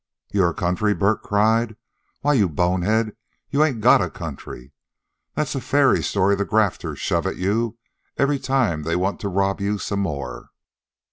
"Your country!" Bert cried. "Why, you bonehead, you ain't got a country. That's a fairy story the grafters shove at you every time they want to rob you some more."